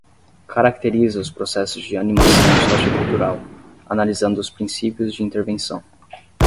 Caracteriza os processos de animação sociocultural, analisando os princípios de intervenção.